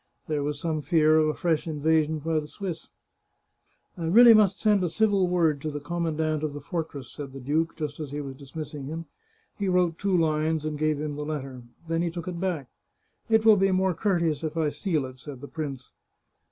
There was some fear of a fresh invasion by the Swiss. ' I really must send a civil word to the com 18S The Chartreuse of Parma mandant of the fortress/ said the duke, just as he was dis missing him. He wrote two Hues, and gave him the letter ; then he took it back. ' It will be more courteous if I seal it/ said the prince.